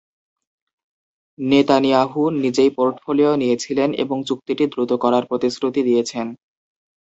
Netanyahu নিজেই portfolio নিয়েছিলেন এবং চুক্তিটি দ্রুত করার প্রতিশ্রুতি দিয়েছেন।